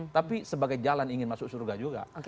tapi sebagai jalan ingin masuk surga juga